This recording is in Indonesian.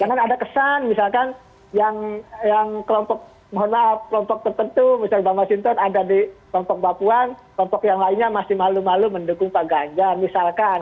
jangan ada kesan misalkan yang kelompok mohon maaf kelompok tertentu misalnya bang mas hinton ada di kelompok mbak puan kelompok yang lainnya masih malu malu mendukung pak ganjar misalkan